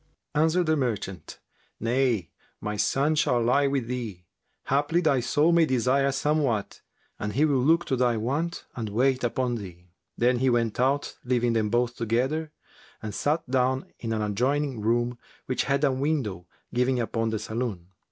Answered the merchant, "Nay, my son shall lie with thee: haply thy soul may desire somewhat, and he will look to thy want and wait upon thee." Then he went out leaving them both together, and sat down in an adjoining room which had a window giving upon the saloon.